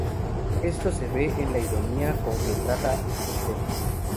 Esto se ve en la ironía con que trata los temas.